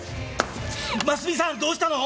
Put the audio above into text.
ますみさんどうしたの！？